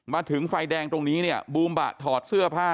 มาถึงไฟแดงตรงนี้เนี่ยบูมบะถอดเสื้อผ้า